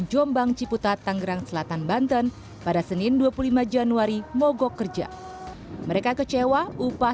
jombang ciputat tanggerang selatan banten pada senin dua puluh lima januari mogok kerja mereka kecewa upah